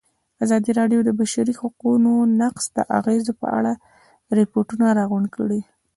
ازادي راډیو د د بشري حقونو نقض د اغېزو په اړه ریپوټونه راغونډ کړي.